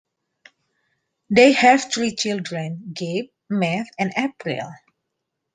They have three children: Gabe, Matt, and April.